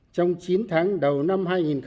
trong chín tháng đầu năm hai nghìn một mươi bảy